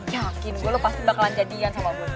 yakin gue lo pasti bakalan jadian sama budi